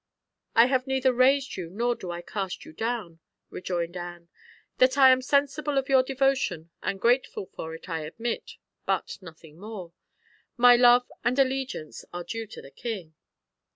"I have neither raised you nor do I cast you down," rejoined Anne. "That I am sensible of your devotion, and grateful for it, I admit, but nothing more. My love and allegiance are due to the king."